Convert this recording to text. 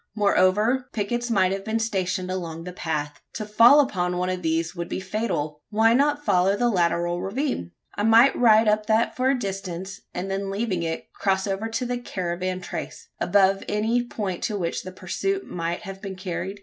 Moreover, pickets might have been stationed along the path. To fall upon one of these would be fatal. Why not follow the lateral ravine? I might ride up that for a distance, and then leaving it, cross over to the caravan trace above any point to which the pursuit might have been carried?